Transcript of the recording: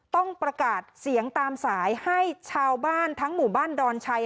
ต้องประกาศเสียงตามสายให้ชาวบ้านทั้งหมู่บ้านดอนชัย